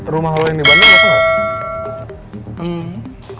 rumah lo yang di bandung kosong gak